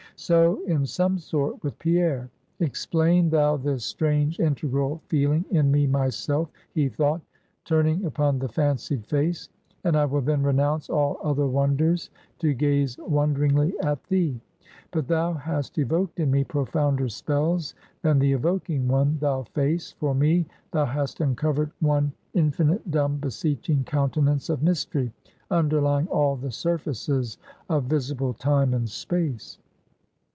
So, in some sort, with Pierre. Explain thou this strange integral feeling in me myself, he thought turning upon the fancied face and I will then renounce all other wonders, to gaze wonderingly at thee. But thou hast evoked in me profounder spells than the evoking one, thou face! For me, thou hast uncovered one infinite, dumb, beseeching countenance of mystery, underlying all the surfaces of visible time and space.